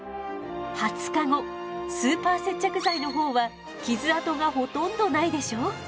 ２０日後スーパー接着剤のほうは傷痕がほとんどないでしょう？